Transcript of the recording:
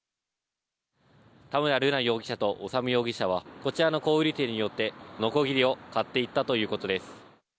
田村瑠奈容疑者と修容疑者はこちらの小売店に寄ってのこぎりを買っていったということです。